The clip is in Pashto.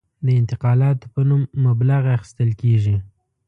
د انتقالاتو په نوم مبلغ اخیستل کېږي.